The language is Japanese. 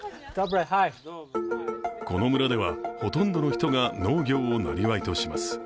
この村では、ほとんどの人が農業をなりわいとします。